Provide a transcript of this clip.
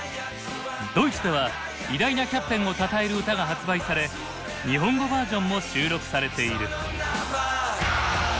ドイツでは偉大なキャプテンをたたえる歌が発売され日本語バージョンも収録されている。